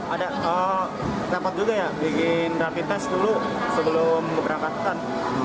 ada tempat juga ya bikin rapi tes dulu sebelum berangkatan